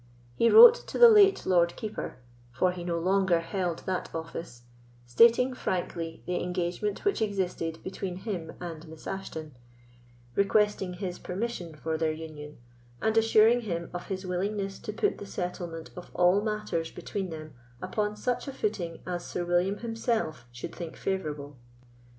He wrote to the late Lord Keeper, for he no longer held that office, stating frankly the engagement which existed between him and Miss Ashton, requesting his permission for their union, and assuring him of his willingness to put the settlement of all matters between them upon such a footing as Sir William himself should think favourable.